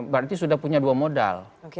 berarti sudah punya dua modal